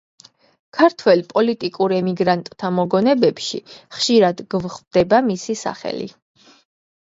ქართველ პოლიტიკურ ემიგრანტთა მოგონებებში ხშირად გვხვდება მისი სახელი.